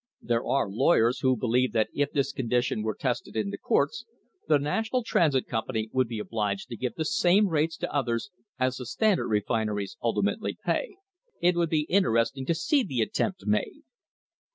There are lawyers who believe that if this condition were tested in the courts, the National Transit Company would be obliged to give the same rates to others as the Standard refineries ultimately pay. It would be interesting to see the attempt made.